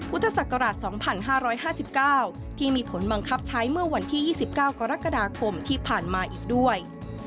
พุทธศักราช๒๕๕๙ที่มีผลบังคับใช้เมื่อวันที่๒๙กรกฎาคมที่ผ่านมาอีกด้วย